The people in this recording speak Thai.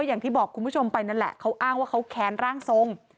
อย่างที่บอกคุณผู้ชมไปนั่นแหละเขาอ้างว่าเขาแค้นร่างทรง